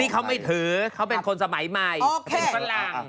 เขาไม่ถือเขาเป็นคนสมัยใหม่เป็นฝรั่ง